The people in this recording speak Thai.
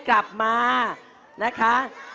กลับมานะคะ